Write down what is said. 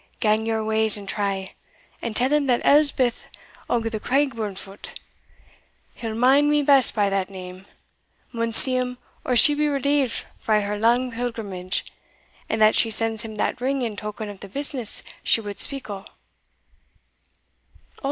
"Gang your ways and try; and tell him that Elspeth o' the Craigburnfoot he'll mind me best by that name maun see him or she be relieved frae her lang pilgrimage, and that she sends him that ring in token of the business she wad speak o'."